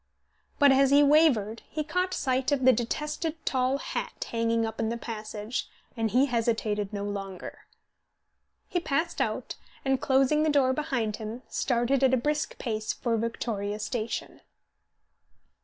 But as he wavered he caught sight of the detested tall hat hanging up in the passage, and he hesitated no longer. He passed out, and, closing the door behind him, started at a brisk pace for Victoria station.